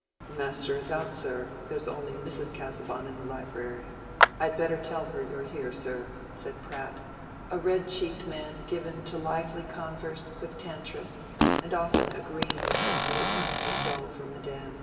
"Master is out, sir; there's only Mrs. Casaubon in the library. I'd better tell her you're here, sir," said Pratt, a red cheeked man given to lively converse with Tantripp, and often agreeing with her that it must be dull for Madam.